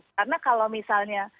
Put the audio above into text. karena kalau misalnya